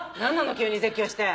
急に絶叫して。